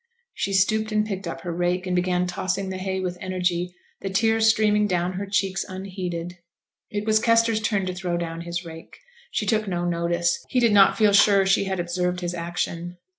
She stooped and picked up her rake, and began tossing the hay with energy, the tears streaming down her cheeks unheeded. It was Kester's turn to throw down his rake. She took no notice, he did not feel sure that she had observed his action.